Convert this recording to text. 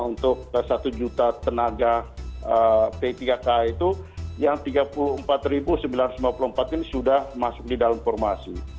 untuk satu juta tenaga p tiga k itu yang tiga puluh empat sembilan ratus lima puluh empat ini sudah masuk di dalam formasi